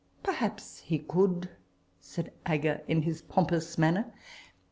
" Perhaps he could," said Agar in his pompous manner.